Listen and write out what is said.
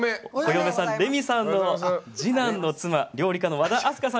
レミさんの次男の妻料理家の和田明日香さん